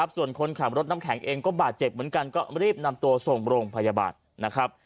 ส่วนคนขับรถน้ำแข็งเองก็บาดเจ็บเหมือนกันก็รีบนำตัวส่งโรงพยาบาลนะครับ